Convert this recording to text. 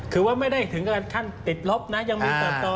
คือว่าไม่ได้ถึงกับขั้นติดลบนะยังมีเติบโต